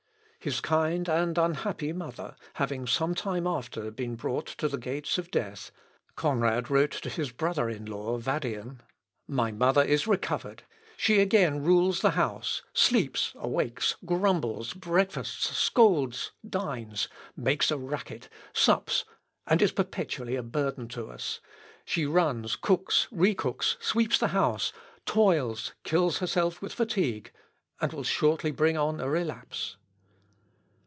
His kind and unhappy mother having some time after been brought to the gates of death, Conrad wrote his brother in law Vadian: "My mother is recovered; she again rules the house, sleeps, awakes, grumbles, breakfasts, scolds, dines, makes a racket, sups, and is perpetually a burden to us. She runs, cooks, re cooks, sweeps the house, toils, kills herself with fatigue, and will shortly bring on a relapse."